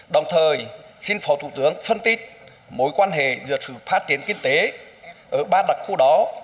đồng thời xin phó thủ tướng phân tích mối quan hệ giữa sự phát triển kinh tế ở ba đặc khu đó